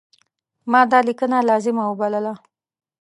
ما دا لیکنه لازمه وبلله.